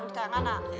di tengah mana